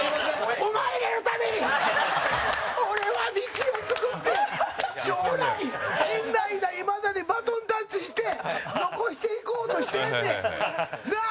お前らのために俺は道を作って将来、陣内や今田にバトンタッチして残していこうとしてんねん。なあ？